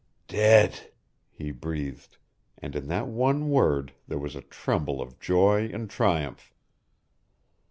"Dead!" he breathed, and in that one word there was a tremble of joy and triumph.